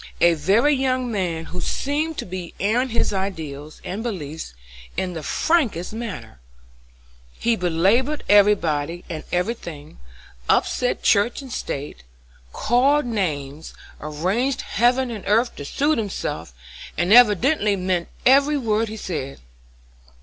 "A very young man who seemed to be airing his ideas and beliefs in the frankest manner. He belabored everybody and every thing, upset church and state, called names, arranged heaven and earth to suit himself, and evidently meant every word he said.